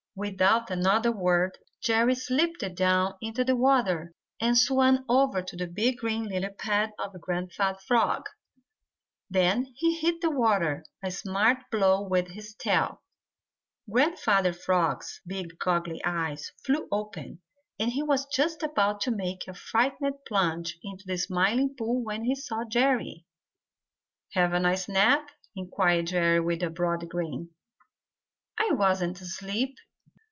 Without another word Jerry slipped down into the water and swam over to the big green lily pad of Grandfather Frog. Then he hit the water a smart blow with his tail. Grandfather Frog's big goggly eyes flew open, and he was just about to make a frightened plunge into the Smiling Pool when he saw Jerry. "Have a nice nap?" inquired Jerry, with a broad grin. "I wasn't asleep!"